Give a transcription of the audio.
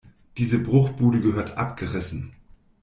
Diese Bruchbude gehört abgerissen.